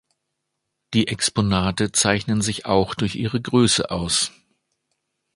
Die Exponate zeichnen sich auch durch ihre Größe aus.